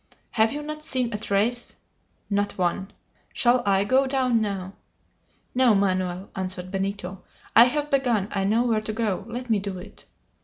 "Have you not seen a trace?" "Not one!" "Shall I go down now?" "No, Manoel," answered Benito; "I have begun; I know where to go. Let me do it!"